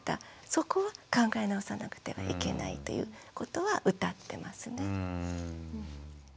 そこは考え直さなくてはいけないということはうたってますね。